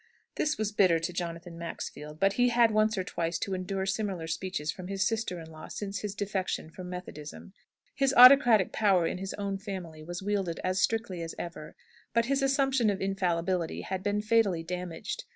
This was bitter to Jonathan Maxfield. But he had had once or twice to endure similar speeches from his sister in law, since his defection from Methodism. His autocratic power in his own family was wielded as strictly as ever, but his assumption of infallibility had been fatally damaged.